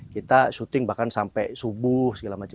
kita syuting bahkan sampai subuh segala macam